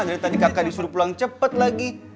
dari tadi kakak disuruh pulang cepat lagi